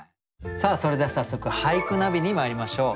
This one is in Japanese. さあそれでは早速「俳句ナビ」にまいりましょう。